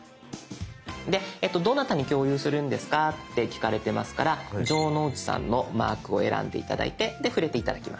どなたに共有するんですか？って聞かれてますから城之内さんのマークを選んで頂いてで触れて頂きます。